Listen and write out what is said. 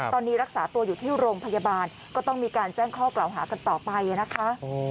ตอนนี้รักษาตัวอยู่ที่โรงพยาบาลก็ต้องมีการแจ้งข้อกล่าวหากันต่อไปนะคะ